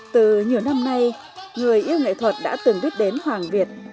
từ nhiều năm nay người yêu nghệ thuật đã từng biết đến hoàng việt